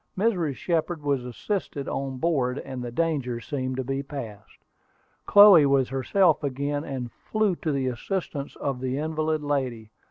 Mrs. Shepard was assisted on board, and the danger seemed to be passed. Chloe was herself again, and flew to the assistance of the invalid lady.